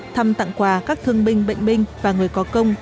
thăm tặng quà các thương binh bệnh binh và người có công